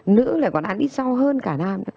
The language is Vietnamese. nữ lại còn ăn ít rau hơn cả nam